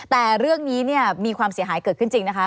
แต่เรื่องนี้เนี่ยมีความเสียหายเกิดขึ้นจริงนะคะ